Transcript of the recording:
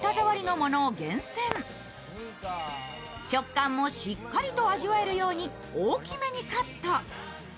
食感もしっかりと味わえるように大きめにカット。